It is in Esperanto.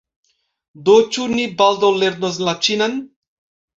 Do ĉu ni baldaŭ lernos la ĉinan?